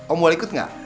om walikut gak